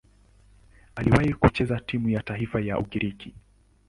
Aliwahi kucheza timu ya taifa ya Ugiriki.